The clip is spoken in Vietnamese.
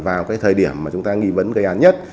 vào cái thời điểm mà chúng ta nghi vấn gây án nhất